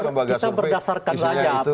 lembaga survei isinya itu